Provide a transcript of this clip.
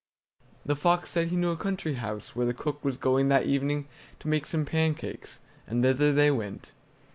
The fox said he knew a country house where the cook was going that evening to make some pancakes, and thither they went.